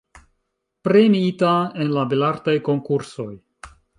Premiita en la Belartaj Konkursoj.